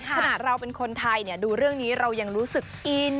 ขนาดเราเป็นคนไทยดูเรื่องนี้เรายังรู้สึกอิน